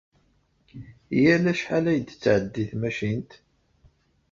Yal acḥal ay d-tettɛeddi tmacint?